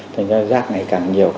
thành ra rác ngày càng nhiều